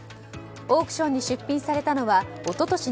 オークションに出品されたのは一昨年